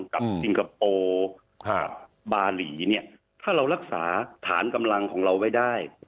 ซิงคโปร์บาหลีเนี่ยถ้าเรารักษาฐานกำลังของเราไว้ได้